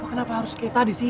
lo kenapa harus kayak tadi sih